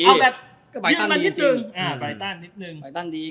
เอาแบบยืนมานิดนึง